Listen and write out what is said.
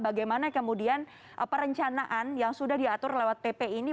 bagaimana kemudian perencanaan yang sudah diatur lewat pp ini